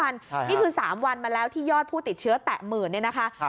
นี่คือ๓วันมาแล้วที่ยอดผู้ติดเชื้อแตะหมื่นเนี่ยนะคะ